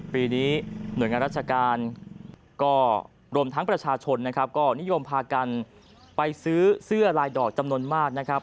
ปีนี้หน่วยงานราชการก็รวมทั้งประชาชนนะครับก็นิยมพากันไปซื้อเสื้อลายดอกจำนวนมากนะครับ